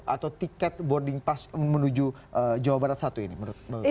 atau tiket boarding pass menuju jawa barat satu ini menurut bang